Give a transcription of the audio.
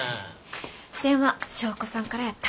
電話祥子さんからやった。